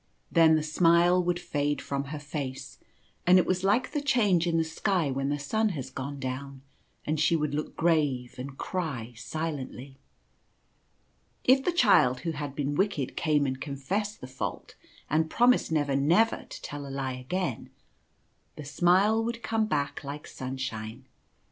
Then the smile would fade from her face ; and it was like the change in the sky when the sun has gone down, and she would look grave, and cry silently. If the child who had been wicked came and confessed the fault and promised never never to tell a lie again, the smile would come back like sunshine.